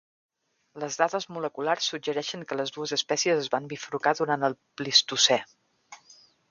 Les dades moleculars suggereixen que les dues espècies es van bifurcar durant el plistocè.